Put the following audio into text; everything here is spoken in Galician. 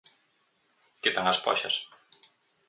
Quitan as poxas.